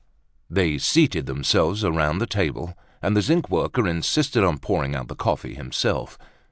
They seated themselves around the table, and the zinc worker insisted on pouring out the coffee himself.